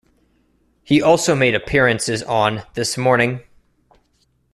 He also made appearances on "This Morning".